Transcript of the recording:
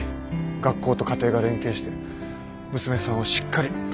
学校と家庭が連携して娘さんをしっかり見守っていきましょうと。